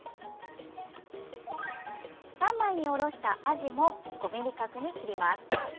３枚におろした、あじも５ｍｍ角に切ります。